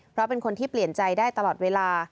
เพราะเป็นคนที่เปลี่ยนใจได้ตลอดเวลา